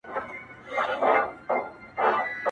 • چي له چا سره قدرت وي زور اوشته وي -